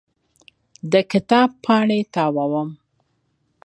د کتاب پاڼې تاووم.